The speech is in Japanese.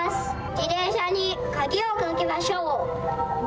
自転車に鍵をかけましょう。